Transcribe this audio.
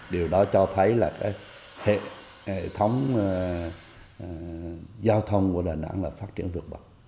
điều đó cho thấy là hệ thống giao thông của đà nẵng là phát triển vượt bậc